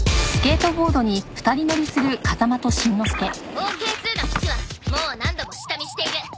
ＯＫ−２の基地はもう何度も下見している。